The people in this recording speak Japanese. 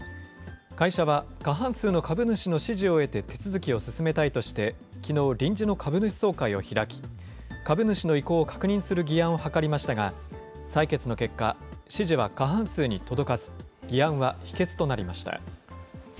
会社は過半数の株主の支持を得て手続きを進めたいとして、きのう、臨時の株主総会を開き、株主の意向を確認する議案を諮りましたが、採決の結果、支持は過半数に届かず、議案は否決となりました。